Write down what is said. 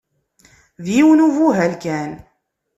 D yiwen ubuhal kan.